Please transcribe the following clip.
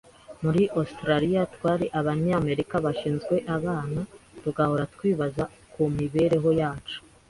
Muri Australia twari Abanyamerika bashinzwe abana, tugahora twibaza ku mibereho yacu.